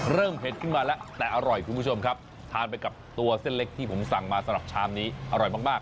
เผ็ดขึ้นมาแล้วแต่อร่อยคุณผู้ชมครับทานไปกับตัวเส้นเล็กที่ผมสั่งมาสำหรับชามนี้อร่อยมากมาก